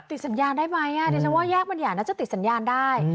ติดสัญญาณได้ไหมดิฉันว่าแยกบางใหญ่น่าจะติดสัญญาณได้